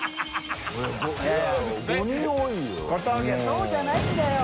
そうじゃないんだよ。